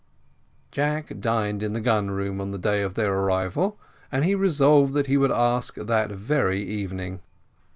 Jack dined in the gun room on the day of their arrival, and he resolved that he would ask that very evening.